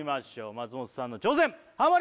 松本さんの挑戦ハモリ